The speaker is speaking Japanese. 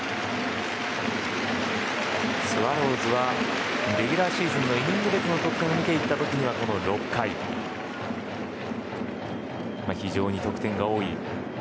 スワローズはレギュラーシーズンのイニング別の得点を見ていった時には、６回に非常に得点が多い。